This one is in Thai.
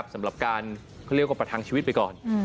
สำหรับการไปแล้วกับประทังชีวิตไปก่อน